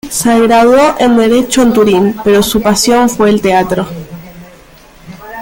Se graduó en Derecho en Turín, pero su pasión fue el teatro.